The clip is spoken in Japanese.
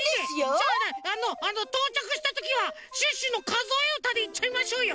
じゃあねあのとうちゃくしたときは「シュッシュのかぞえうた」でいっちゃいましょうよ。